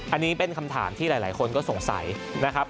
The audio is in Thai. อันนี้เป็นคำถามที่หลายคนก็สงสัยนะครับ